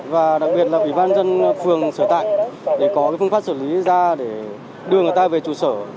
và đặc biệt là ủy ban dân phường sở tại để có phương pháp xử lý ra để đưa người ta về trụ sở